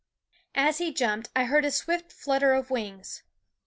As he jumped I heard a swift flutter of wings.